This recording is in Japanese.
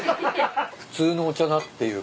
普通のお茶だっていう感覚で。